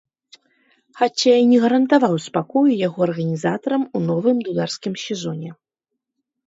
Хаця і не гарантаваў спакою яго арганізатарам у новым дударскім сезоне.